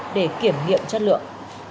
để kiểm nghiệm chất lượng